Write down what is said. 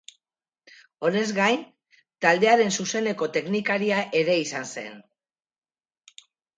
Honez gain, taldearen zuzeneko teknikaria ere izan zen.